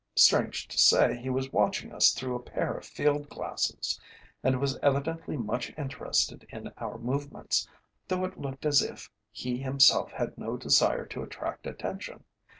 Strange to say, he was watching us through a pair of field glasses, and was evidently much interested in our movements, though it looked as if he himself had no desire to attract attention.